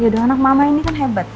dengan anak mama ini kan hebat